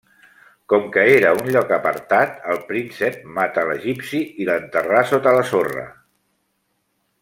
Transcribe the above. Com que era un lloc apartat, el príncep matà l'egipci i l'enterrà sota la sorra.